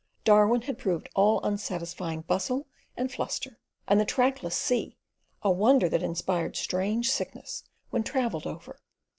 Darwin had proved all unsatisfying bustle and fluster, and the trackless sea, a wonder that inspired strange sickness when travelled over.